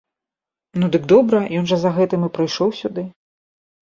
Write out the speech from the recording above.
Ну, дык добра, ён жа за гэтым і прыйшоў сюды.